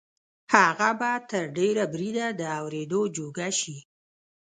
هغه به تر ډېره بریده د اورېدو جوګه شي